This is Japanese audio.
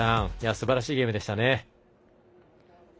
すばらしいゲームでしたね。